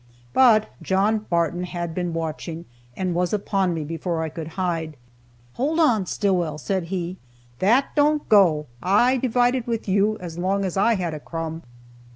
But John Barton had been watching, and was upon me before I could hide. "Hold on, Stillwell," said he, "that don't go! I divided with you as long as I had a crumb!"